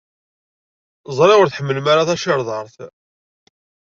Ẓriɣ ur tḥemmlem ara tacirḍart.